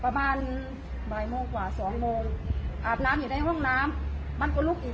หรือยี่สิบหกหกครั้งวันก่อนสามครั้งแล้วก็มาครั้งสุดท้าย